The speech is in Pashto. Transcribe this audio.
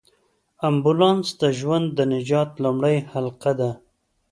امبولانس د ژوند د نجات لومړۍ حلقه ده.